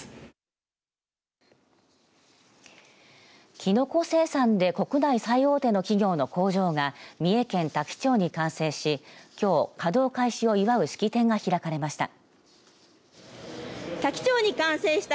キノコ生産で国内最大手の企業の工場が三重県多気町に完成しきょう稼働開始を祝う式典が開かれました。